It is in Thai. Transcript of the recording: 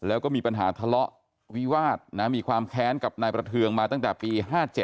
แล้วก็มีปัญหาทะเลาะวิวาสมีความแค้นกับนายประเทืองมาตั้งแต่ปี๕๗